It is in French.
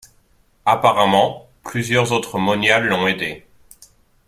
Apparemment, plusieurs autres moniales l'ont aidée.